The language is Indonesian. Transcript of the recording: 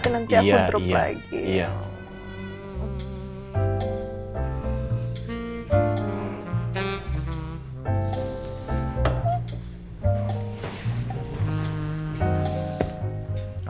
nanti aku drop lagi